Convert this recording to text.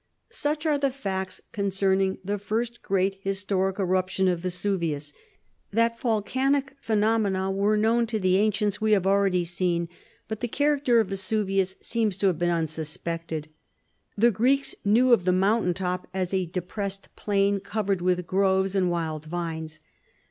Such are the facts concerning the first great historic eruption of Vesuvius. That volcanic phenomena were known to the ancients we have already seen; but the character of Vesuvius seems to have been unsuspected. The Greeks knew of the mountain top as a depressed plain, covered with groves and wild vines.